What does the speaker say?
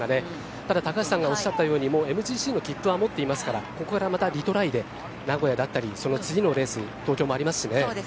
ただ、高橋さんがおっしゃったようにもうＭＧＣの切符は持っていますからここはまたリトライで名古屋だったりその次のレース東京もありますしね。